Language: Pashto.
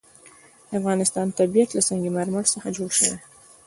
د افغانستان طبیعت له سنگ مرمر څخه جوړ شوی دی.